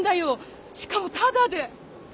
しかもタダで。